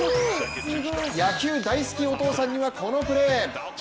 野球大好きお父さんにはこのプレー。